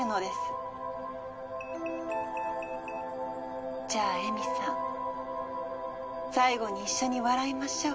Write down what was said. ピピピピッじゃあ江美さん最後に一緒に笑いましょう。